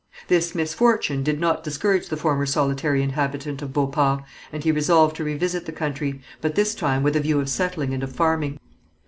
This misfortune did not discourage the former solitary inhabitant of Beauport, and he resolved to revisit the country, but this time with a view of settling and of farming.